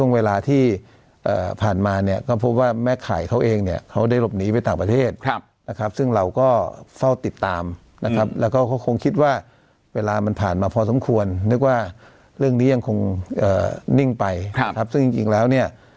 นะครับแล้วก็เขาคงคิดว่าเวลามันผ่านมาพอสมควรนึกว่าเรื่องนี้ยังคงเอ่อนิ่งไปครับครับซึ่งจริงจริงแล้วเนี่ย